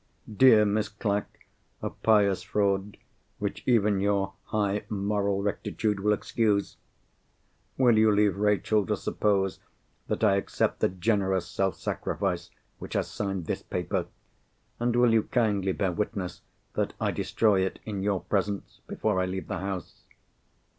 "Dear Miss Clack, a pious fraud which even your high moral rectitude will excuse! Will you leave Rachel to suppose that I accept the generous self sacrifice which has signed this paper? And will you kindly bear witness that I destroy it in your presence, before I leave the house?"